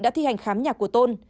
đã thi hành khám nhà của tôn